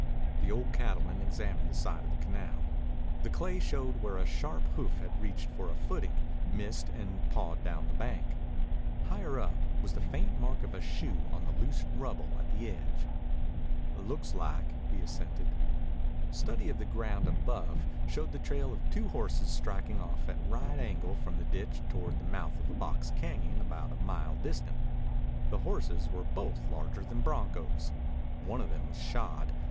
The old cattleman examined the side of the canal. The clay showed where a sharp hoof had reached for a footing, missed, and pawed down the bank. Higher up was the faint mark of a shoe on the loose rubble at the edge. "Looks like," he assented. Study of the ground above showed the trail of two horses striking off at a right angle from the ditch toward the mouth of a box cañon about a mile distant. The horses were both larger than broncos. One of them was shod.